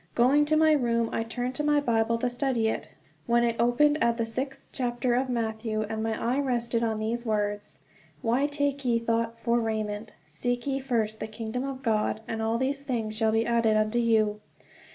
Going to my room, I turned to my Bible to study it, when it opened at the sixth chapter of Matthew, and my eye rested on these words: "Why take ye thought for raiment ... seek ye first the kingdom of God, and all these things shall be added unto you."